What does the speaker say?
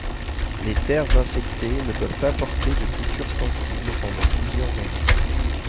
Les terres infectées ne peuvent pas porter de cultures sensibles pendant plusieurs années.